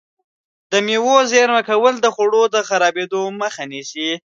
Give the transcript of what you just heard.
د مېوو زېرمه کول د خوړو د خرابېدو مخه نیسي.